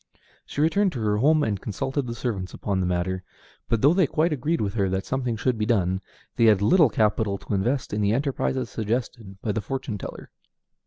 She returned to her home and consulted the servants upon the matter; but though they quite agreed with her that something should be done, they had little capital to invest in the enterprises suggested by the fortune teller.